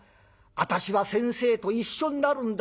私は先生と一緒になるんだ。